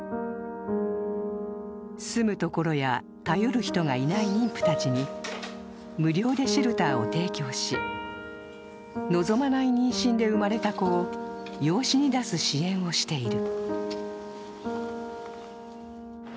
住むところや頼る人がいない妊婦たちに無料でシェルターを提供し、望まない妊娠で生まれた子を養子に出す支援をしている。